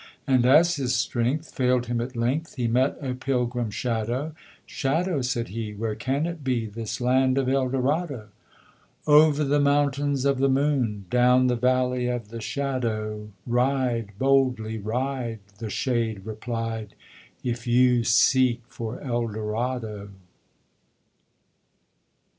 And, as his strength Failed him at length, He met a pilgrim shadow "Shadow," said he, "Where can it be This land of Eldorado?" [Illustration: Eldorado] "Over the Mountains Of the Moon, Down the Valley of the Shadow, Ride, boldly ride," The shade replied "If you seek for Eldorado!"